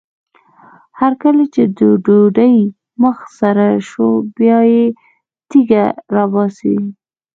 هر کله چې د ډوډۍ مخ سره شو بیا یې تیږه راباسي.